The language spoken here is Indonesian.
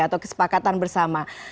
atau kesepakatan bersama